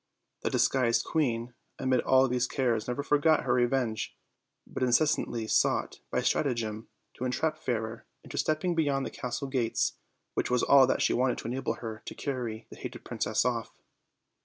The disguised queen, amid all these cares, never forgot her revenge, but incessantly sought, by stratagem, to entrap Fairer into stepping beyond the castle gates, which was all that she wanted to enable her to carry tho hated princess off.